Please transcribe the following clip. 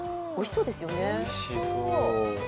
おいしそうですよね。